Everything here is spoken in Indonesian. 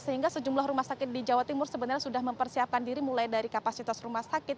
sehingga sejumlah rumah sakit di jawa timur sebenarnya sudah mempersiapkan diri mulai dari kapasitas rumah sakit